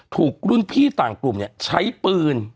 ถูกรุ่นพี่ต่างกลุ่มใช้ปืน